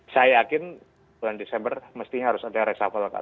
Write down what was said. saya yakin bulan desember mestinya harus ada reshuffle